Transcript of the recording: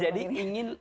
jadi ingin tau aja